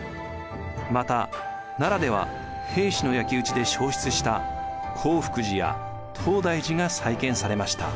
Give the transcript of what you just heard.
また奈良では平氏の焼き打ちで焼失した興福寺や東大寺が再建されました。